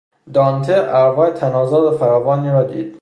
دانته ارواح تن آزاد فراوانی را دید.